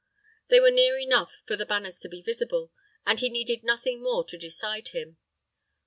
They were near enough for the banners to be visible, and he needed nothing more to decide him.